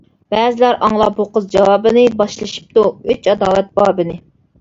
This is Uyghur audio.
بەزىلەر ئاڭلاپ بۇ قىز جاۋابىنى باشلىشىپتۇ ئۆچ-ئاداۋەت بابىنى.